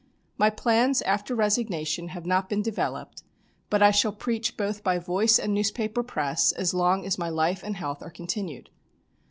"My plans after resignation have not been developed, but I shall preach both by voice and newspaper press, as long as my life and health are continued.